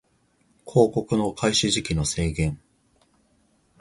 広告の開始時期の制限